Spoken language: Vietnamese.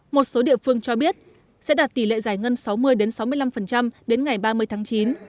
một số địa phương cho biết sẽ đạt tỷ lệ giải ngân sáu mươi sáu mươi năm đến ngày ba mươi tháng chín